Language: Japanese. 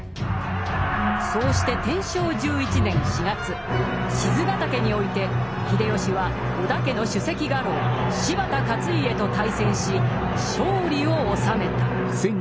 そうして天正１１年４月賤ヶ岳において秀吉は織田家の首席家老柴田勝家と対戦し勝利を収めた。